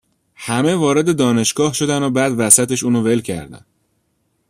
همه وارد دانشگاه شدن و بعد وسطش اونو ول کردن.